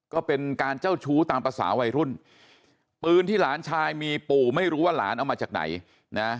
ก็เป็นการเจ้าชู้ตามภาษาวัยรุ่นปืนที่หลานชายมีปู่ไม่รู้ว่าหลานเอามาจากไหนนะ